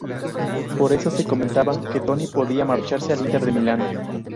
Por eso, se comentaba que Toni podía marcharse al Inter de Milán.